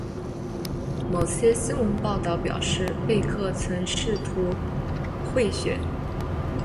某些新闻报道表示贝克曾试图贿选。